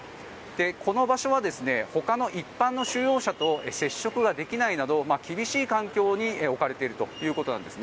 この場所はほかの一般の収容者と接触ができないなど厳しい環境に置かれているということなんです。